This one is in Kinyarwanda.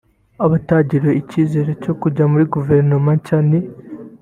Abatagiriwe icyizere cyo kujya muri Guverinoma nshya ni